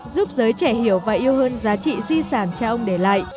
giúp giới trẻ hiểu và yêu hơn giá trị di sản cha ông để lại